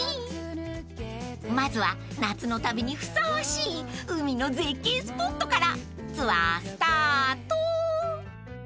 ［まずは夏の旅にふさわしい海の絶景スポットからツアースタート］